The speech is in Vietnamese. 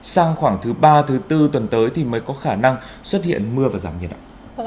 sang khoảng thứ ba thứ bốn tuần tới thì mới có khả năng xuất hiện mưa và giảm nhiệt ạ